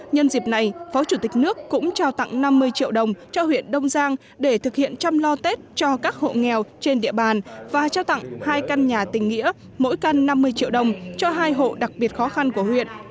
nhân dịp này phó chủ tịch nước cũng trao tặng năm mươi triệu đồng cho huyện đông giang để thực hiện chăm lo tết cho các hộ nghèo trên địa bàn và trao tặng hai căn nhà tình nghĩa mỗi căn năm mươi triệu đồng cho hai hộ đặc biệt khó khăn của huyện